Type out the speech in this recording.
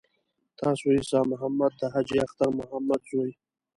تاسو عیسی محمد د حاجي اختر محمد زوی.